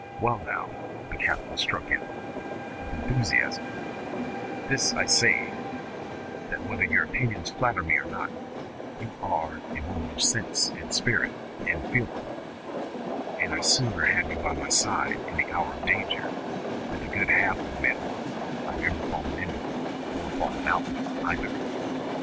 "Wa'al now," the captain struck in, with enthusiasm, "this I say, That whether your opinions flatter me or not, you are a young woman of sense, and spirit, and feeling; and I'd sooner have you by my side in the hour of danger, than a good half of the men I've ever fallen in with or fallen out with, ayther."